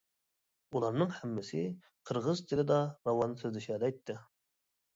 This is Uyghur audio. ئۇلارنىڭ ھەممىسى قىرغىز تىلىدا راۋان سۆزلىشەلەيتتى.